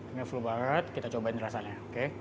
ini full banget kita cobain rasanya